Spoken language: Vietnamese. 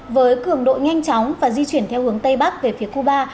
với cường độ nhanh chóng và di chuyển theo hướng tây bắc về phía cuba